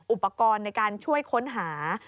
อุปกรณ์ในการช่วยค้นหา